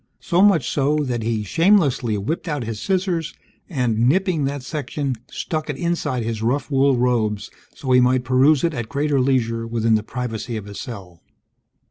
So much so, that he shamelessly whipped out his scissors and, nipping that section, stuck it inside his rough wool robes so he might peruse it at greater leisure within the privacy of his cell.